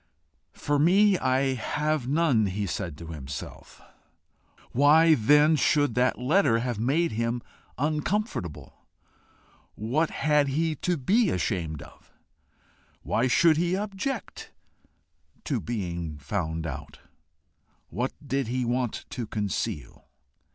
"For me, I have none," he said to himself. Why then should that letter have made him uncomfortable? What had he to be ashamed of? Why should he object to being found out? What did he want to conceal?